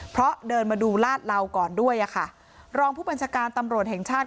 เพราะเดินมาดูลาดเหลาก่อนด้วยอะค่ะรองผู้บัญชาการตำรวจแห่งชาติ